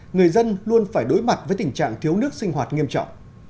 người dân luôn phải đối mặt với tình trạng thiếu nước sinh hoạt nghiêm trọng